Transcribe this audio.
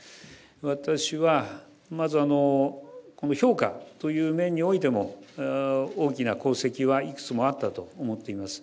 私はまず、この評価という面においても、大きな功績はいくつもあったと思っています。